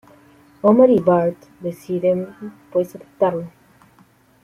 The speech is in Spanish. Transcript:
Homer y Bart deciden, pues, adoptarlo.